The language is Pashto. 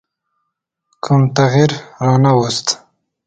کوم تغییر رانه ووست.